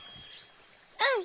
うん！